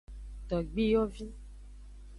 Togbiyovi.